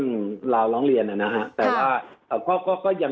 สวัสดีครับทุกคน